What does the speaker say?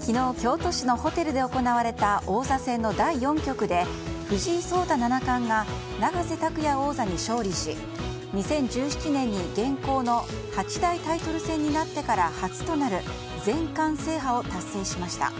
昨日、京都市のホテルで行われた王座戦の第４局で藤井聡太七冠が永瀬拓矢王座に勝利し２０１７年に現行の八大タイトル戦になってから初となる全冠制覇を達成しました。